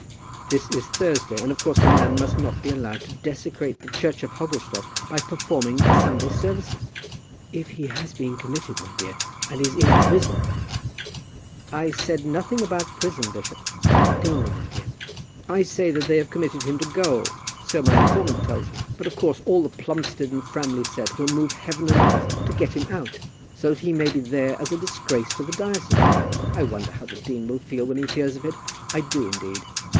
This is Thursday, and of course the man must not be allowed to desecrate the church of Hogglestock by performing the Sunday services." "If he has been committed, my dear, and is in prison, " "I said nothing about prison, bishop." "Gaol, my dear." "I say they have committed him to gaol. So my informant tells me. But of course all the Plumstead and Framley set will move heaven and earth to get him out, so that he may be there as a disgrace to the diocese. I wonder how the dean will feel when he hears of it! I do, indeed.